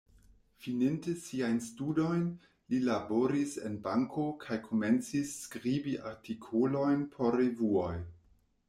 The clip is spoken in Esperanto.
Fininte siajn studojn, li laboris en banko kaj komencis skribi artikolojn por revuoj.